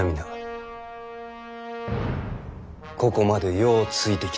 ここまでようついてきてくれた。